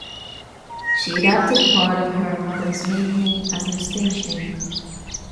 She adapted part of her mother's maiden name as her stage name.